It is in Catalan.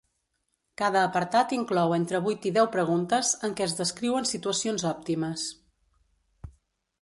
Cada apartat inclou entre vuit i deu preguntes en què es descriuen situacions òptimes.